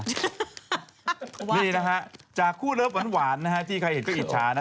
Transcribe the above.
นี่นะฮะจากคู่เลิฟหวานนะฮะที่ใครเห็นก็อิจฉานะ